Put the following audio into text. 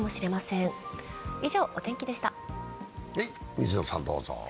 水野さんどうぞ。